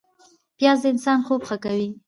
پیاز د انسان خوب ښه کوي